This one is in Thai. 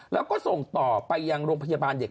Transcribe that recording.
แล้วก็ส่งต่อไปยังโรงพยาบาลเด็ก